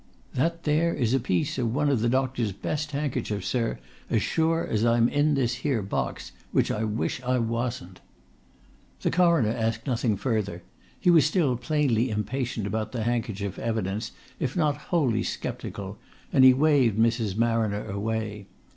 That there is a piece of one of the doctor's best handkerchiefs, sir, as sure as I'm in this here box which I wish I wasn't!" The Coroner asked nothing further; he was still plainly impatient about the handkerchief evidence, if not wholly sceptical, and he waved Mrs. Marriner away.